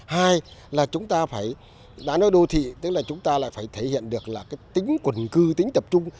hai là chúng ta phải đã nói đô thị tức là chúng ta lại phải thể hiện được là cái tính quần cư tính tập trung